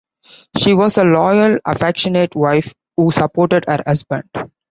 She was a loyal, affectionate wife, who supported her husband.